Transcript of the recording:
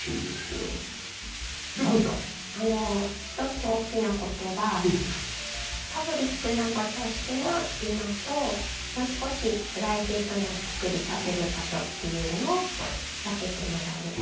１つ大きな事はパブリックな場としての居間ともう少しプライベートな造り食べる場所っていうのを分けてもらう。